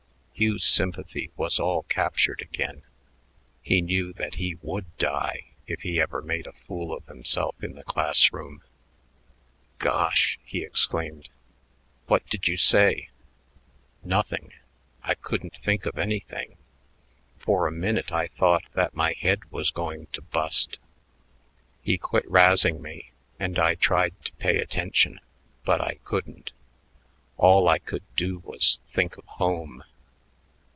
Hugh's sympathy was all captured again. He knew that he would die if he ever made a fool of himself in the class room. "Gosh!" he exclaimed. "What did you say?" "Nothing. I couldn't think of anything. For a minute I thought that my head was going to bust. He quit razzing me and I tried to pay attention, but I couldn't; all I could do was think of home.